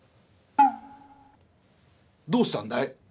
「どうしたんだい？」。